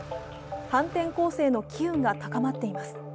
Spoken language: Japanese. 反転攻勢の機運が高まっています。